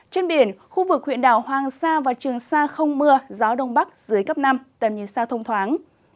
trên biển khu vực huyện đảo hoàng sa và trường sa không mưa gió đông bắc dưới cấp năm tầm nhìn xa thông thoáng